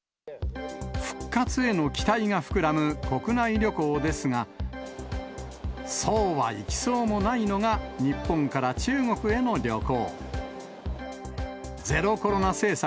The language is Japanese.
復活への期待が膨らむ国内旅行ですが、そうはいきそうもないのが、日本から中国への旅行。